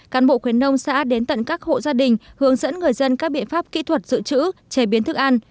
cán bộ khuyến nông xã đến tận các hộ gia đình hướng dẫn người dân các biện pháp kỹ thuật dự trữ chế biến thức ăn